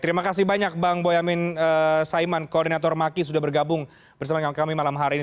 terima kasih banyak bang boyamin saiman koordinator maki sudah bergabung bersama kami malam hari ini